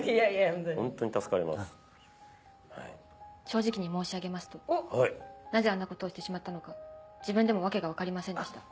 正直に申し上げますとなぜあんな事をしてしまったのか自分でも訳がわかりませんでした。